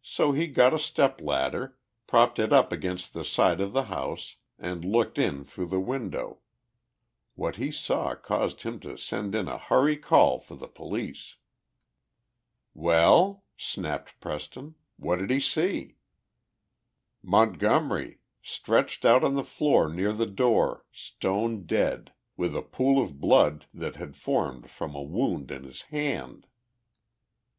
So he got a stepladder, propped it up against the side of the house, and looked in through the window. What he saw caused him to send in a hurry call for the police." "Well," snapped Preston, "what did he see?" "Montgomery, stretched out on the floor near the door, stone dead with a pool of blood that had formed from a wound in his hand!"